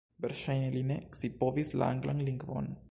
Verŝajne li ne scipovis la anglan lingvon.